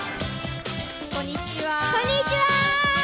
こんにちは！